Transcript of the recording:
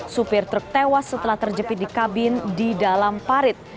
supir truk tewas setelah terjepit di kabin di dalam parit